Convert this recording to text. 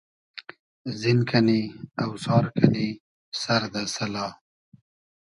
زین کئنی , اۆسار کئنی سئر دۂ سئلا